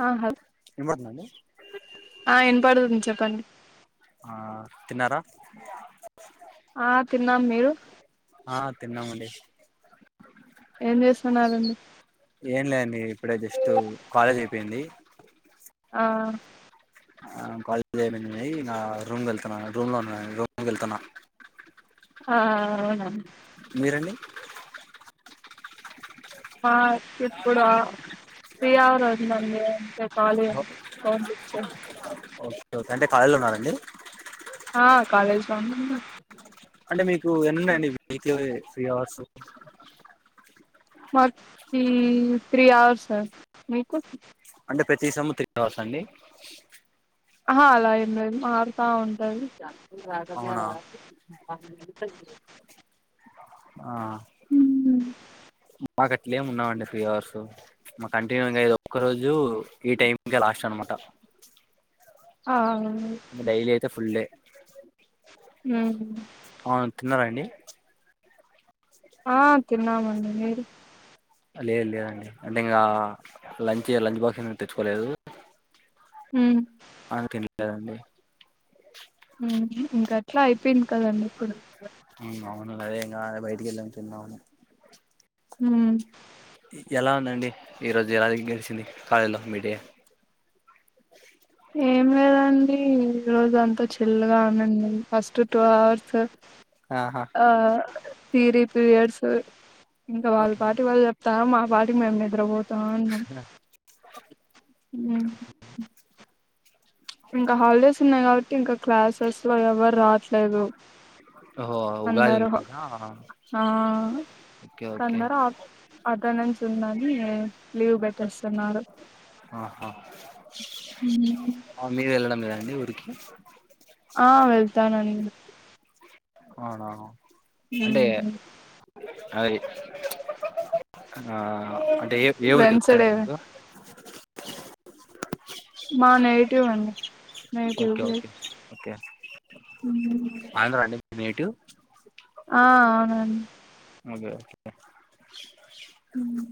ఆ వినపడుతుందండి ఆ ఏన పడుతుంది చెప్పండి. ఆ తిన్నారా. ఆ తిన్నాం మీరు? ఆ తిన్నామండి. ఏం చేస్తున్నారండి ఏం లేదండి ఇప్పుడే జస్ట్ కాలేజ్ అయి. పోయింది. ఆ. ఆ కాలేజ్ అయిపోయింది ఆ రూమ్ కి వెళ్తున్నాను రూమ్ లో ఉన్నాను రూమ్ కి వెళ్తున్నాను. ఆ అవునా. మీరండి. మాకు ఇప్పుడు. శ్రీహర్ అయిందండి కాలేజీలో ఫోన్ ఇచ్చేస్తారు. ఓకే ఓకే అంటే కాలేజీలో ఉన్నారండి. ఆ కాలేజ్ లో ఉన్న. అంటే మీకు ఎన్న ఉన్నాయండి వె త్రీ అవర్స్. మటీ త్రీ అవర్స్ సార్ మీకు. అంటే ప్రతి సముతి త్రీ అవర్స్ అండి. ఆ అలా ఏం లేదు మార్త ఉంటది. అవునా అ [inaudible] ఆ మాకు అట్ల ఎమి ఉన్నావండి త్రీ అవర్సు. మా కంటిన్యూద ఇది ఒక్క రోజు ఈ టైంకీ లాస్ట్ అనమాట. ఆ డైలీ అయితే ఫుల్ డే. హ అవును తిన్నారండి. ఆ తిన్నామండి మీరు. లేదు లేదండి అంటే ఇంకా లంచ్ లంచ్ బాక్స్ ఏ తెచ్చుకోలేదు. హ అందుకే తినలేదండి ఇంక అట్లా అయిపోయింది కదండి ఇప్పుడు. అవును అదేం కాద బయటకి వెళ్ళం తిన్నాము హ ఎలా ఉందండి ఈరోజు ఎలాది గడిచింది కాలేజ్ లో మి డే ఏం లేదు అండి ఈ రోజు అంతా చిల్గా ఉందండి ఫస్ట్ టూ అవర్స్ ఆహా ఆ థియరీ త్రీ అవర్స్ ఇంకా వాళ్ళ పాటి వాళ్ళు చెప్తా మానం వాటికి మేము నిద్ర పోతాఊంటమ్ అం ఇంకా హాలిడేస్ ఉన్నాయి కాబట్టి ఇంకా క్లాసెస్ ఎవరు రావట్లేదు. ఓహో ఉగాది అందారు ఉంది కదా ఆహా. ఆ ఓకే ఓకే కన్నర్ అక్కడ నుంచి ఉందని లీవ్ పెట్టెస్తున్నారు ఆహా ఉమ్, మీరు వెళ్ళడం కదండి ఊరికి దానాని అవునా అంటే ఉమ్, అది ఆ అంటే ఏ ఏ ఊరిక వెన్స్డే వెళ్తారండి మీరు. మా నేటివ్ అండి. Native okay okay place okay Andhra అండి నేటివ్ ఆ అవునన్ ఓకే ఓకే మ్మ్.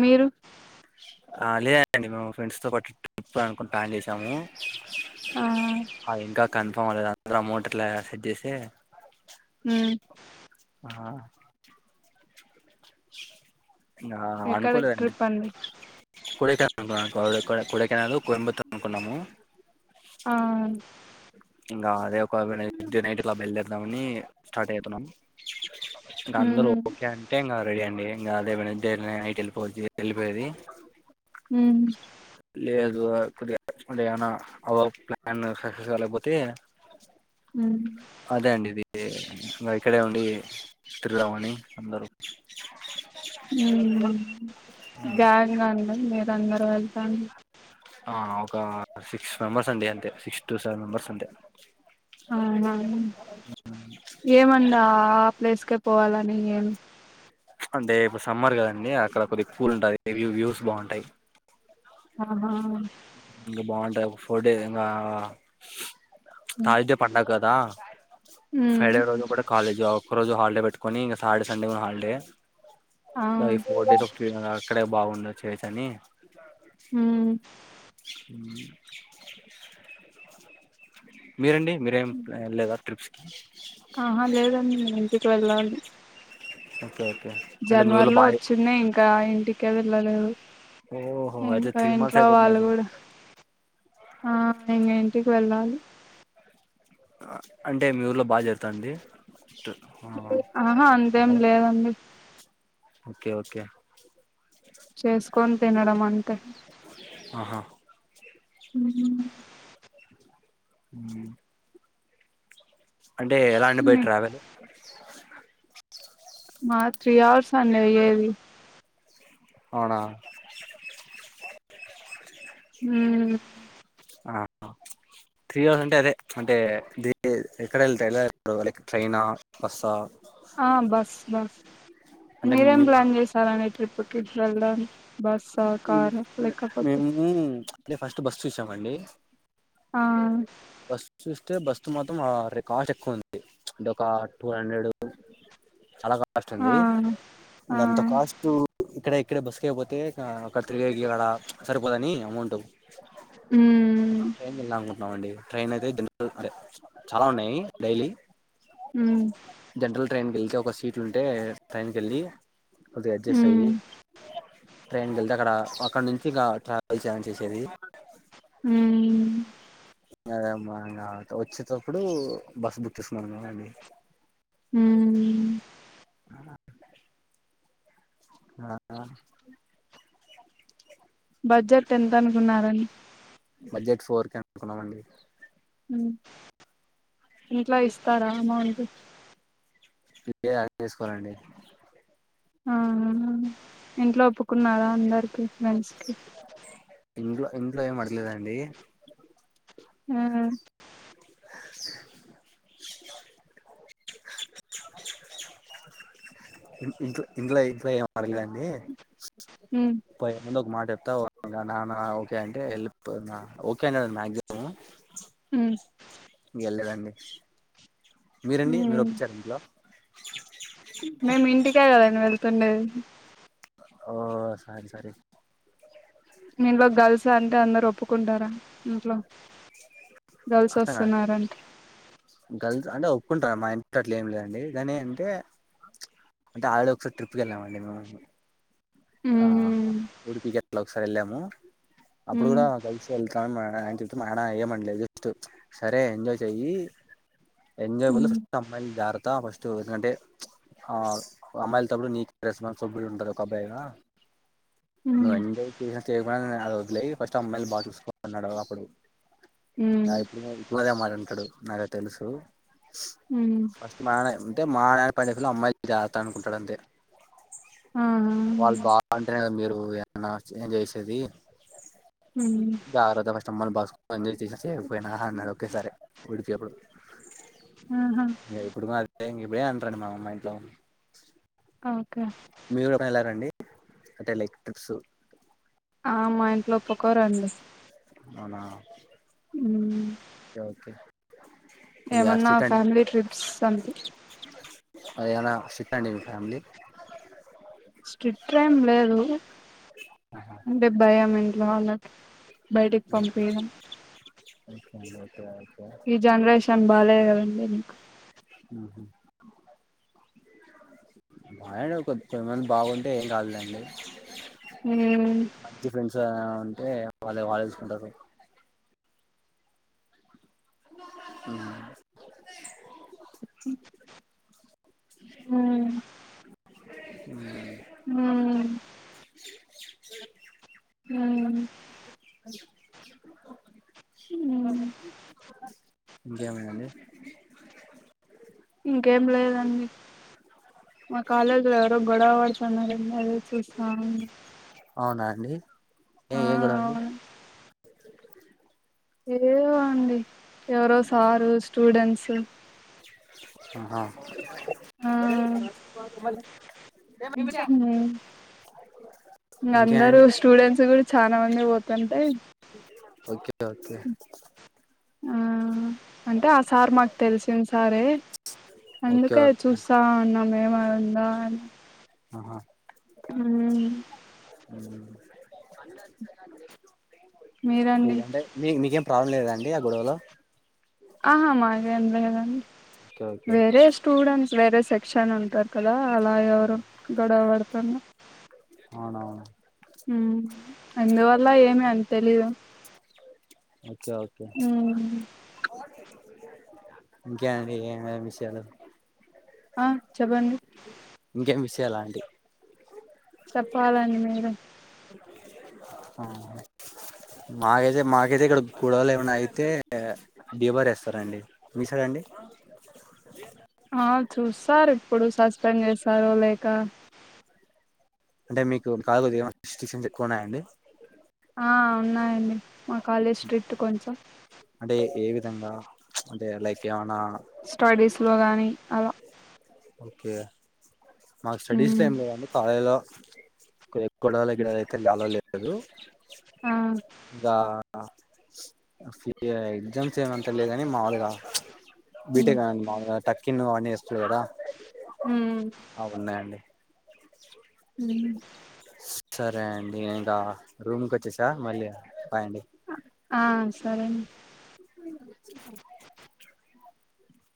మీరు ఆ లేదండి మేము ఫ్రెండ్స్ తో పాటు ట్రిప్ అనుకుని ప్లాన్ చేసాము ఆ ఆ ఇంకా కన్ఫామ్ అవలేదు అందరూ అమౌంట్ ఇలా సెట్ చేస్తే హ ఆ ఎక్కడ అనుకోలేదండి ట్రిప్ అండి కూడకయ కూడకయలు కొనుబతో అనుకున్నాము. ఆ ఇంకా అదే ఒక నైట్ క్లాబ్ బయలుదేరుదామని స్టార్ట్ అయితున్నాం. ఇక అందరు మ్మ్ ఓకే అంటే ఇంకా రెడీ అండి ఇంకాలై నైట్ వెళ్లిపోవచ్చు వెళ్ళిపోయేది. హ లేదు కొద్దిగానా అవ ప్లాన్ సక్సెస్ కావలేకపోతే. మ్మ్ అదే అండి ఇది ఇంకా ఇక్కడే ఉండి తిరుగుదామని అందరూ బ్యాగ్ నాది మీరందరం వెళ్తానం ఆ ఒక సిక్స్ మెంబెర్స్ అండి అంతే సిక్స్ టు సెవెన్ మెంబెర్స్ అంతే ఆ ఏమందా ప్లేస్కే పోవాలని ఏం అంటే ఇప్పుడు సమ్మర్ కదండి అక్కడ కొద్దిగ కూల్ ఉంటాది ఇవి వ్యూస్ బాగుంటాయి ఆవునవును ఇంకా బాగుంటాయి ఒక ఫోర్ డేస్ అయినా తాగిదే పడుగ కదా ఫ్రైడే మ్మ్ రోజు కూడా కాలేజ్ ఆ ఒక్కరోజు హాలిడే పెట్టుకొని ఇంక సాటర్ డె సండే హాలిడే ఆ ఈ ఫోర్ డేస్ ఒకె అక్కడే బావుండుచ్చేసని మ్ మ్ మీరండి మీరేం ఎళ్ళలేదా ట్రిప్స్ కి ఆహా లేదండి నేను ఇంటికి వెళ్ళాలి ఓకే అంటే మీ ఊర్లో జనవరిలో బాగా వచ్చింది ఇంకా ఇంటికే వెళ్ళలేదు ఓహో అయితే ఇంకా త్రీ మంత్స్ ఇంట్లో అయిపోతుంది వాళ్ళు అయితే కూడా ఆ ఇంగ ఇంటికి వెళ్ళాలి అంటే మీ ఊర్లో బాగా జరుతంది ఆహా అంతేం కదా? లేదండి ఓకే ఓకే చేసుకొని తినడం అంటే ఆహా మ్ మ్ అంటే ఎలా అండి బై ట్రావెల్ మాది త్రీ అవర్స్ అండి ఏవి అవునా మ్ ఆ త్రీ అవర్స్ అంటే అదే అంటే ది ఎక్కడ వెళతే ఎలా వెళ్తవ్ లైక్ ట్రైనా బస్సా ఆ బస్ బస్ అంటే మీరేం మీ ప్లాన్ చేసారండి ట్రిప్ కి వెళ్ళడానికి బస్సా కారా లేక్కపోతే మేము ఫస్ట్ బస్ చూసామండి ఆ చూస్తే బస్ మాత్రం ర కాస్ట్ ఎక్కువ ఉంది అంటే ఒక టూ హండ్రెడ్ చాలా కాస్ట్ ఆ ఉంది ఆ ఇకంత కాస్టూ ఇక్కడ ఇక్కడ బస్ లేకపోతే అక్కడ తిరిగేకి అక్కడ సరిపోదని అమౌంట్ మ్మ్ ఏం తిన్ల అండి ట్రైన్ అయితే చాలా ఉన్నాయి డైలీ మ్ జనరల్ ట్రైన్కి వెళ్తే ఒక సీట్ ఉంటే ట్రైన్కి వెళ్ళి కొద్దిగా అడ్జస్ట్ అయ్యి మ్మ్ ట్రైన్కి వెళ్తే అక్కడ అక్కడ నుంచి ఇంక ట్రావెల్స్ ఆన్ చేసేది మ్ అదేమ్మా ఇంగ వచ్చేటప్పుడు బస్ బుక్ చేసుకున్నాను అండి మ్ అ... ఆ బడ్జెట్ ఎంత అనుకున్నారండి బడ్జెట్ ఫోర్ కె అనుకున్నామండి మ్ ఇంట్లో ఇస్తారా అమౌంట్ [unintelligible] అరేంజ్ చేసుకోవాలండి ఆ ఇంట్లో ఒప్పుకున్నారా అందరికి ఫ్రెండ్స్ కి ఇంట్లో ఇంట్లో ఏమి అడగలేదండి మ్ ఇ ఇంట్ ఇన్ ఇ ఏం మరగదండి ఉమ్ ఇ ఏ ముందు ఒక మాట చెప్తా నాన్న ఓకే అంటే హెల్ప్ [unintelligible] హ్ము ఏళ్ళదండి హూ మేం ఇంటికాడ [unintelligible] తండే ఓ సారి సారీ నేను రేపు గర్ల్ అంటే అందరు ఒప్పుకుంటారా ఇంట్లో గర్ల్స్ వస్తున్నారంటే గర్ల్ అంటే ఒప్పు కుంటా మా ఇంట్లో అట్లా ఏం లేదండి కాని అంటే అంటే ఆవిడ ఒకసారి ట్రిప్కి వెళ్ళామండి మేము ఆ ఉమ్ ఉడిపిగిట్లట ఒకసారి వెళ్ళాము అప్పుడు ఉమ్ కూడా కలిసి వెళ్ళా కానీ మా ఆయన చెప్తే మా ఆయన ఏమనలేదు జస్ట్ సరే ఎంజాయ్ చెయ్యి ఎంజాయ్ ఉమ్ ఫస్ట్ అమ్మాయి జాగ్రత్త ఫస్ట్ అంటే ఆ అమ్మాయిలతోప్పుడు నీ రెస్పాన్సిబిలిటీ ఉంటది ఒక అబ్బాయిగా నువ్వు ఉమ్ ఎంజాయ్ చేసినా చేయకుడా అది వదిలేయి ఫస్ట్ అమ్మాయిలు బాగా చూసుకి అని అన్నాడు అప్పుడు హ్మ నా ఇప్పుడు ఇప్పుడుదే మాట అంటాడు నాకు తెలుసు ఉమ్ ఫస్ట్ మానే అంటే మా [unintelligible] అమ్మాయి జాగ్రాతా అనుకుంటాడు అంతే ఆహా వాళ్ళు బాగుంటేనే కదా మీరు ఏమన్న ఎంజాయ్ చేసేది ఉమ్ జాగ్రత్త ఫస్ట్ అమ్మాయిల్ని [unintelligible] పోయినాహా అన్నారు ఒకేసారి ఎప్పుడు ఆహా అది ఇదే అంటారండి మా అమ్మ మా ఇంట్ల ఒకే ఒకే వెళ్లారండి అంటే లైక్ ట్రిప్స్ ఆ మా ఇంట్లో ఒప్పుకోరండి అవున హ్ము ఓకే కొద్దిగా ఏమన్నా స్ట్రిక్ట్ అండి ఫ్యామిలీ ట్రిప్స్ అంతే అదేనా స్ట్రిక్ట్ అండి మీ ఫ్యామిలీ స్ట్రిట్ ఏం లేదు ఆహా అంటే భయం ఇంట్లో వాళ్ళకి బయటకి పంపియడం ఓకే ఓకే ఈ జనరేషన్ బాలేదు కదండి ఇంకా ఆహ అయిన కొదిమంది బాగుంటే ఏం కాదులెండి హ్ము అంటే వాళ్ళు వాళ్ళు తెలుసుకుంటారు లే అ అ హ ఆ ఉమ్ స హ ఇంకేం అండి ఇంకేం లేదండి మా కాలేజీలో ఎవరో గొడవ పడుతున్నారు అదే చూస్తా ఉన్న అవునా అండి ఏమ్ ఏం గొడవా అండి ఏవో అండి ఎవరో సారు స్టూడెంట్స్ ఆహా ఆ ఉంహు గ అందరూ ఇంకేనండి స్టూడెంట్స్ కూడా చాల మంది పోతుంటె ఓకే ఓకే ఆ అంటే ఆ సార్ మాకు తెలిసిన సారే ఓకే అందుకే ఓకే చూస్తా ఉన్నాం ఏమయింద అని ఆహా ఉమ్ మీరండి అవ్ అంటే మీ మీకేం ప్రాబ్లం లేదాండి ఆ గొడవలో ఆహా మాదేం లేదండి ఓకే ఓకే వేరే స్టూడెంట్స్ వేరే సెక్ క్షన్ ఉంటారు కదా అలా ఎవరో గొడవ పడతన అవున ఉమ్ అందువల్ల ఏమి అని తెలీదు ఓకే ఓకే ఉమ్ ఇంకే అండి ఏమేమ్ విషయాలు ఆ చెప్పండి ఇంకేం విషయాల అంటి చెప్పాలండి మీరే ఆ మాకైతే మాకైతే ఇక్కడ గొడవలు ఏమన్నా అయితే డిబార్ వేస్తారండి మీ సైడ్ అండి ఆ చూస్తారు ఇప్పుడు సస్పెండ్ చేస్తారో లేక అంటే మీకు కా కొది ఏమన్ సిస్టిషిన్స్ ఏమన్నా ఉన్నాయండీ ఆ ఉన్నాయండి మా కాలేజ్ స్ట్రిక్ట్ కొంచెం అంటే ఏ విధంగా అంటే లైక్ ఏమనా స్టడీస్ లో గాని అలా ఓకే మాకు స్టడీస్ ఉమ్ ఏం లేదండి కాలేజ్ లో కొచే గొడవల్ ఇక్కడైతే అలో లేదు ఆ ఇంగా ఆ ఆఫీ ఎగ్జామ్స్ ఏమంత లేదు కాని మాముూలుగా బీటే ఉమ్ కా మాలుగా టక్కిన్ వాస్త ఉమ్ అవున్నాయండి ఉమ్ సరే అండి ఇంకా రూమ్ కు వచ్చేసా మళ్ళీ బాయ్ అండి ఆ సరేండి